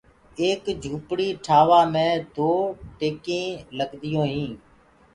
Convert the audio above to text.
ايڪ جُهپڙي ٺآوآ مي دو ٽيڪينٚ لگديٚونٚ هينٚ۔